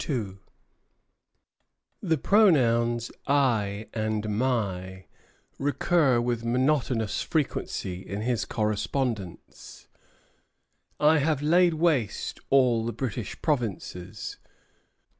1756. The pronouns "I" and "my" recur with monotonous frequency in his correspondence. "I have laid waste all the British provinces."